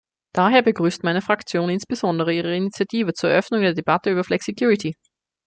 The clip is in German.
Daher begrüßt meine Fraktion insbesondere Ihre Initiative zur Eröffnung der Debatte über Flexicurity.